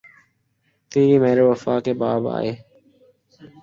تیری مہر و وفا کے باب آئے